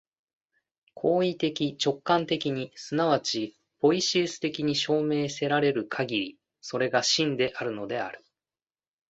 行為的直観的に即ちポイエシス的に証明せられるかぎり、それが真であるのである。